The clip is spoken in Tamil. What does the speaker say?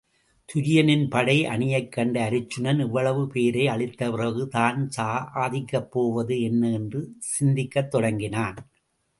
துரியனின் படை அணியைக் கண்ட அருச்சுனன் இவ்வளவு பேரை அழித்தபிறகு தான் சாதிக்கப்போவது என்ன என்று சிந்திக்கத் தொடங்கினான்.